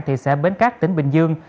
thị xã bến cát tỉnh bình dương